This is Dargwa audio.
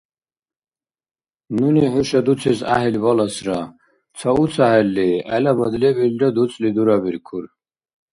Нуни хӀуша дуцес гӀяхӀил баласра. Ца уцахӀелли – гӀелабад лебилра дуцӀли дурабиркур.